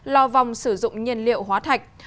lò vòng sử dụng nhiên liệu hóa thạch